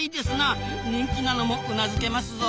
人気なのもうなずけますぞ。